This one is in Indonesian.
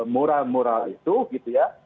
moral moral itu gitu ya